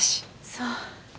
そう。